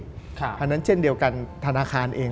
เพราะฉะนั้นเช่นเดียวกันธนาคารเอง